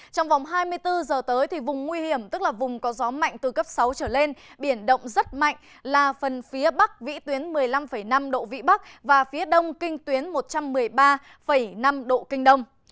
trong vòng hai mươi bốn giờ tới thì vùng nguy hiểm tức là vùng có gió mạnh từ cấp sáu trở lên biển động rất mạnh là phần phía bắc vĩ tuyến một mươi năm năm độ vĩ bắc và phía đông kinh tuyến một trăm một mươi ba năm độ kinh đông